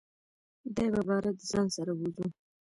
دی به باره دځان سره بوزو .